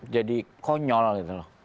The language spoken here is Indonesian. jadi konyol gitu loh